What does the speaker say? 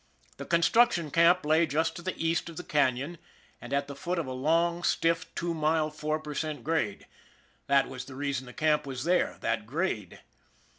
The construc tion camp lay just to the east of the Canon, and at the foot of a long, stiff, two mile, four per cent grade. That was the reason the camp was there that grade.